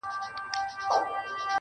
کيسه پراخه بڼه اخلي